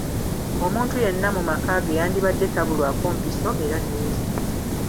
Omuntu yenna mu maka ge yandibadde tabulwako mpiso era ne wuzi.